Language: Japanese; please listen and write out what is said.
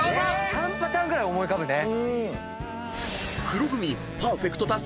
３パターンぐらい思い浮かぶね。